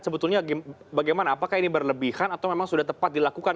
sebetulnya bagaimana apakah ini berlebihan atau memang sudah tepat dilakukan